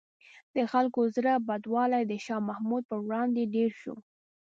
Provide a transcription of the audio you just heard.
د خلکو زړه بدوالی د شاه محمود په وړاندې ډېر شو.